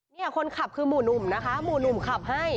นี่คนขับคือหมู่หนุ่มนะคะหมู่หนุ่มขับให้